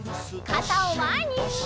かたをまえに！